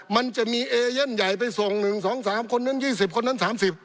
มันจะมีเอเย่นใหญ่ไปส่ง๑๒๓คนนั้น๒๐คนนั้น๓๐